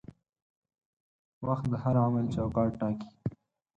وخت د هر عمل چوکاټ ټاکي.